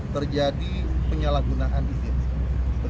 terjadi penyalahgunaan izin